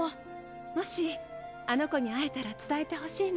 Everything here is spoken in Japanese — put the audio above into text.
もしあの子に会えたら伝えてほしいの。